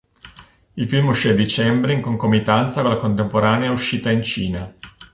Il film uscì a Dicembre in concomitanza con la contemporanea uscita in Cina.